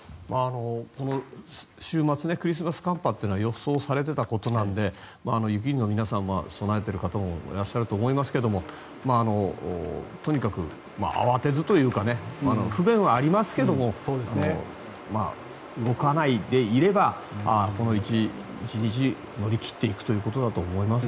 この週末クリスマス寒波というのは予想されてたことなので雪国の皆様は備えている方もいらっしゃると思いますがとにかく慌てずというか不便はありますが動かないでいれば、この１日乗り切っていくということだと思います。